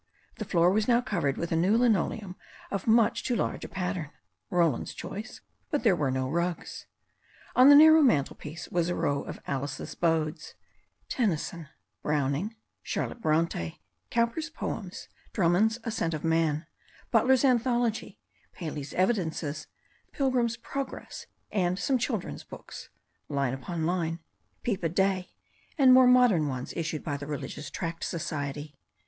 The floor was now covered with a new linoleum of much too large a pat tern — ^Roland's choice — ^but there were no rugs. On the nar row mantelpiece was a row of Alice's bodes, Tennyson, Browning, Charlotte Bronte, Cowper's poems, Drummond's Ascent of Man, Butler's Analogy, Paley's Evidences, The Pilgrim's Progress, and some children's books — Line Upon Line, Peep' of Day, and more modern ones issued by the Re ligious Tract Society.